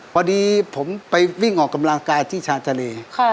พอดีผมไปวิ่งออกกำลังกายที่ชาญทะเล